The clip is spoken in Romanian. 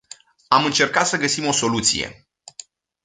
Am încercat sa găsim o soluție.